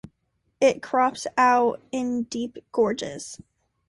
It crops out in deep gorges.